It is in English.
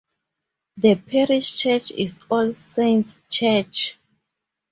The parish church is All Saints' Church.